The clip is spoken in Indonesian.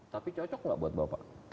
tapi cocok nggak buat bapak